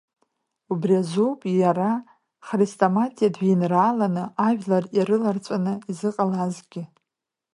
Убри азоуп иара хрестоматиатә жәеинрааланы, ажәлар ирылаҵәаны изыҟалазгьы.